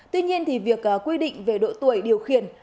tuy nhiên việc quy định về độ tuổi điều khiển